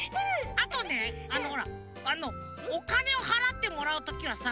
あとねあのほらあのおかねをはらってもらうときはさ